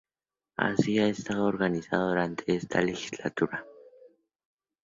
Así ha estado organizada durante esta legislatura.